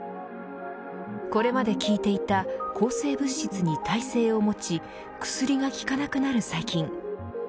これまで効いていた抗生物質に耐性を持ち薬が効かなくなる細菌。